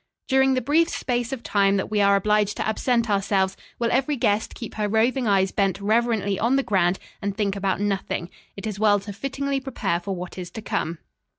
"During the brief space of time that we are obliged to absent ourselves, will every guest keep her roving eyes bent reverently on the ground and think about nothing. It is well to fittingly prepare for what is to come."